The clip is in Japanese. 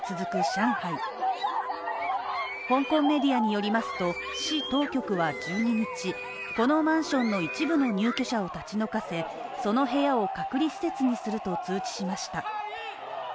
上海香港メディアによりますと、市当局は１２日このマンションの一部の入居者を立ち退かせ、その部屋を隔離施設にすると通知しました。